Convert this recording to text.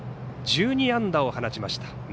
１２安打を放ちました。